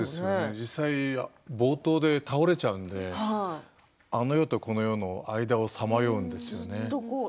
実際冒頭で倒れちゃうのであの世とこの世の間をさまようんですよね。